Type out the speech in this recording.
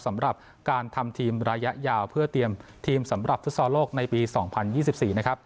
สำหรับการทำทีมระยะยาวเพื่อเตรียมทีมสำหรับฟุตซอลโลกในปี๒๐๒๔นะครับ